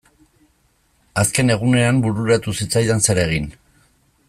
Azken egunean bururatu zitzaidan zer egin.